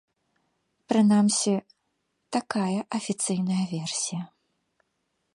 Прынамсі, такая афіцыйная версія.